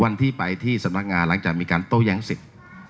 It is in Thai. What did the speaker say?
วันที่ไปที่สมัครงานหลังจากมีการโต้แย้งเสร็จ